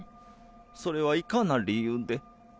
それは如何な理由で？